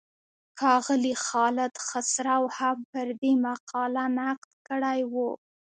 ښاغلي خالد خسرو هم پر دې مقاله نقد کړی و.